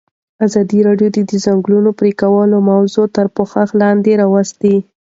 ازادي راډیو د د ځنګلونو پرېکول موضوع تر پوښښ لاندې راوستې.